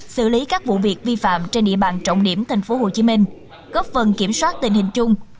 xử lý các vụ việc vi phạm trên địa bàn trọng điểm tp hcm góp phần kiểm soát tình hình chung